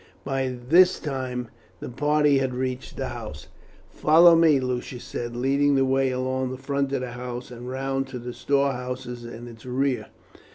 By this time the party had reached the house. "Follow me," Lucius said, leading the way along the front of the house, and round to the storehouses in its rear.